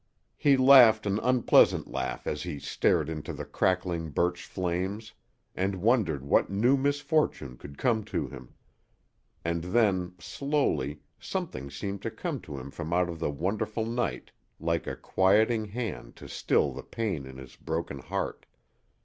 He laughed an unpleasant laugh as he stared into the crackling birch flames and wondered what new misfortune could come to him. And then, slowly, something seemed to come to him from out of the wonderful night like a quieting hand to still the pain in his broken heart.